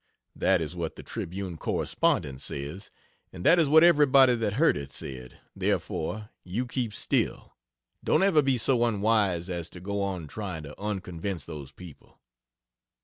That is what the Tribune correspondent says. And that is what everybody that heard it said. Therefore, you keep still. Don't ever be so unwise as to go on trying to unconvince those people.